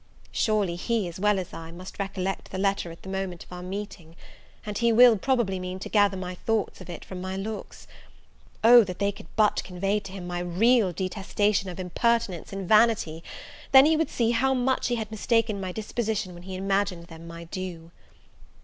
Surely he, as well as I, must recollect the letter at the moment of our meeting; and he will, probably, mean to gather my thoughts of it from my looks; oh that they could but convey to him my real detestation of impertinence and vanity! then would he see how much he had mistaken my disposition when he imagined them my due.